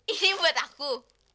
ini buat aku